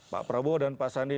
pak prabowo dan pak sandi